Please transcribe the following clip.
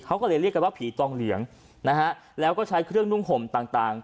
เขาก็เลยเรียกกันว่าผีตองเหลียงนะฮะแล้วก็ใช้เครื่องนุ่งห่มต่างต่าง